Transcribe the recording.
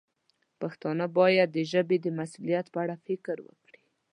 پښتانه باید د ژبې د مسوولیت په اړه فکر وکړي.